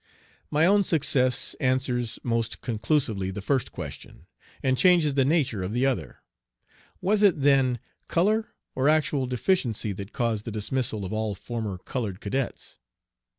My own success answers most conclusively the first question, and changes the nature of the other. Was it, then, color or actual deficiency that caused the dismissal of all former colored cadets?